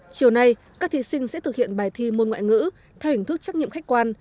chiều nay các thí sinh sẽ thực hiện bài thi môn ngoại ngữ theo hình thức trách nhiệm khách quan